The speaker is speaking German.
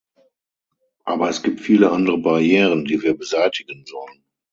Aber es gibt viele andere Barrieren, die wir beseitigen sollen.